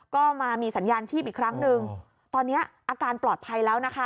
ก็มามีสัญญาณชีพอีกครั้งหนึ่งตอนนี้อาการปลอดภัยแล้วนะคะ